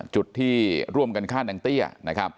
จุดที่ร่วมกันฆ่านางเตี้ยนะครับ